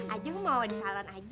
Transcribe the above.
aja mau disalon aja